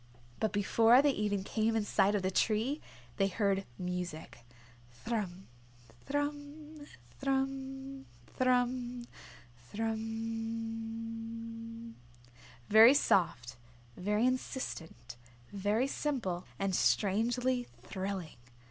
But before they even came in sight of the tree they heard music. "Thrum, thrum, thrum, thrummmm, thrummmmmmmmmmmm." Very soft, very insistent, very simple and strangely thrilling.